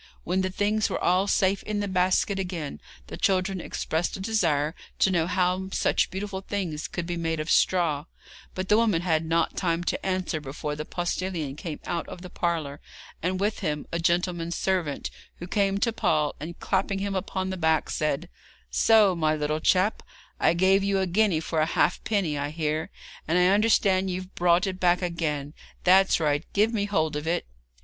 When the things were all safe in the basket again the children expressed a desire to know how such beautiful things could be made of straw, but the woman had not time to answer before the postillion came out of the parlour, and with him a gentleman's servant, who came to Paul, and clapping him upon the back, said: 'So, my little chap, I gave you a guinea for a halfpenny, I hear, and I understand you've brought it back again; that's right, give me hold of it.'